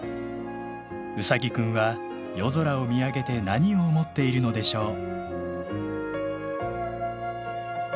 ウサギくんは夜空を見上げて何を思っているのでしょう？